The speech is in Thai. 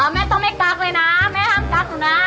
แม่ต้องไม่กั๊กเลยนะแม่ห้ามกักหนูนะ